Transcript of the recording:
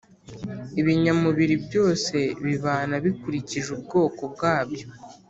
Ibinyamubiri byose bibana bikurikije ubwoko bwabyo,